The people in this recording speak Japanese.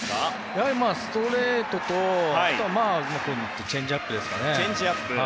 やはりストレートとあとはチェンジアップですかね。